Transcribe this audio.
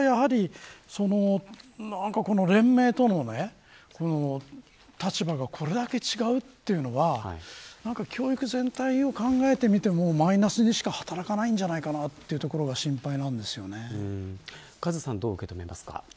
連盟との立場がこれだけ違うというのは教育全体を考えてみてもマイナスにしか働かないんじゃないかなカズさんどう受け止めますか。